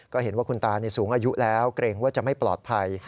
ก็เห็นว่าคุณตาสูงอายุแล้วเกรงว่าจะไม่ปลอดภัย